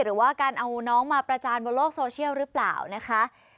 หรือว่าการเอาน้องมาประจานบนโลกโซเชียลหรือเปล่านะคะ